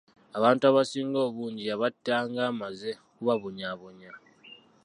Abantu abasinga obungi yabattanga amaze kubabonyaabonya.